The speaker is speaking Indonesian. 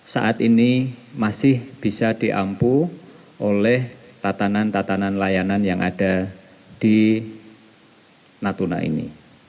saat ini masih bisa diampu oleh tatanan tatanan layanan yang ada di natuna ini